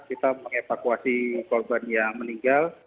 kita mengevakuasi korban yang meninggal